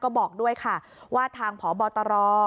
ก็บอกด้วยค่ะว่าทางพบตร